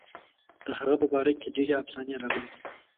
د هغه په باره کې ډېرې افسانې راغلي.